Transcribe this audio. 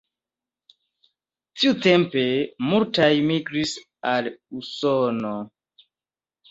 Tiutempe multaj migris al Usono.